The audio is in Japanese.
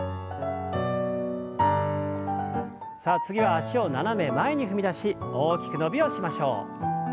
さあ次は脚を斜め前に踏み出し大きく伸びをしましょう。